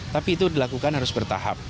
tapi itu dilakukan harus bertahap